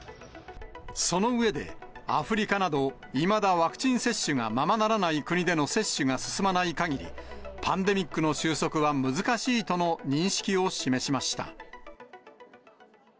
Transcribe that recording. その上で、アフリカなど、いまだワクチン接種がままならない国での接種が進まないかぎり、パンデミックの収束は難しいとの認識を示しました。